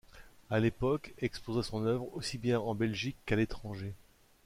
À l'époque, exposa son œuvre aussi bien en Belgique qu'à l'étranger.